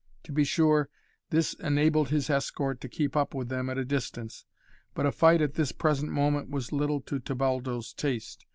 To be sure, this enabled his escort to keep up with them at a distance, but a fight at this present moment was little to Tebaldo's taste.